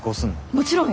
もちろんよ。